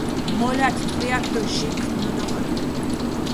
მოლართ ტყვიაქ დო ჟი ქჷმნოდოხოდ.